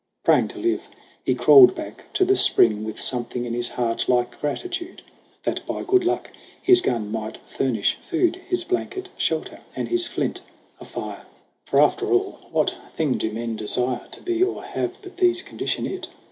Praying to live, he crawled back to the spring, With something in his heart like gratitude That by good luck his gun might furnish food, His blanket, shelter, and his flint, a fire. THE AWAKENING 33 For, after all, what thing do men desire To be or have^ but these condition it